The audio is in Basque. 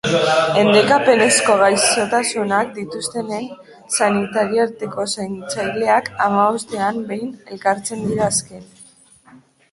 Endekapenezko gaixotasunak dituztenen senitarteko-zaintzaileak hamabostean behin elkartzen dira azken urte eta erdian.